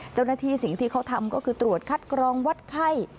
เจ้าหน้าที่สิ่งที่เขาทำก็คือตรวจคัดกรองวัดไข้